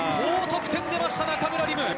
高得点出ました中村輪夢。